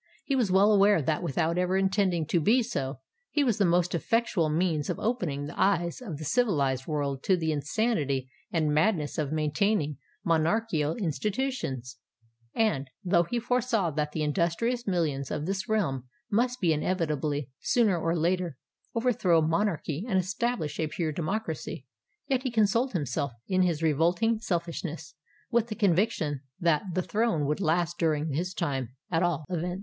He was well aware that, without intending to be so, he was the most effectual means of opening the eyes of the civilised world to the insanity and madness of maintaining monarchical institutions: and, though he foresaw that the industrious millions of this realm must inevitably, sooner or later, overthrow Monarchy and establish a pure Democracy, yet he consoled himself, in his revolting selfishness, with the conviction that "the throne would last during his time, at all events."